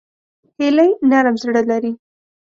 هیلۍ نرم زړه لري